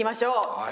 はい。